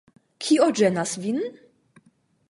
Kio ĝenas vin?